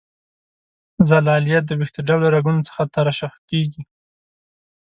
زلالیه د وېښته ډوله رګونو څخه ترشح کیږي.